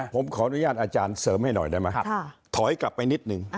ผมขออนุญาตอาจารย์เสริมให้หน่อยได้ไหมถอยกลับไปนิดนึง